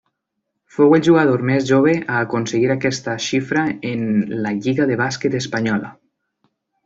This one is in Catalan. Fou el jugador més jove a aconseguir aquesta xifra en la lliga de bàsquet espanyola.